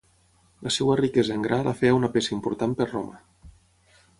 La seva riquesa en gra la feia una peça important per Roma.